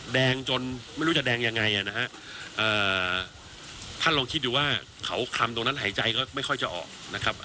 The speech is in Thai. แดงจนไม่รู้จะแดงยังไงนะฮะท่านลองคิดดูว่าเขาคลำตรงนั้นหายใจก็ไม่ค่อยจะออกนะครับ